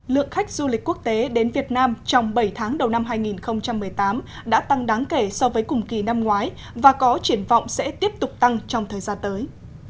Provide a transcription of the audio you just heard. lượng khách du lịch quốc tế đến việt nam trong bảy tháng đầu năm hai nghìn một mươi tám đã tăng đáng kể so với cùng kỳ năm ngoái và có triển vọng sẽ tiếp tục tăng trong thời gian tới